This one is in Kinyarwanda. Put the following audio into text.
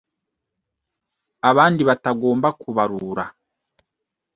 Abandi batagomba kubarura